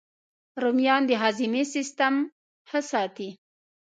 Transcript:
رومیان د هاضمې سیسټم ښه ساتي